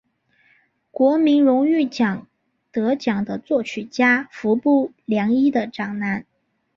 国民荣誉奖得奖的作曲家服部良一的长男。